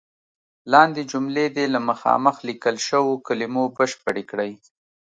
لاندې جملې دې له مخامخ لیکل شوو کلمو بشپړې کړئ.